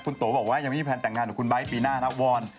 คุณโตบอกว่ายังไม่มีแพลนแต่งงานกับคุณไบท์ปีหน้านะวอน